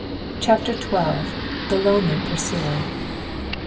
CHAPTER XII. THE LONELY PURSUER.